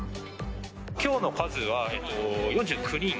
きょうの数は４９人。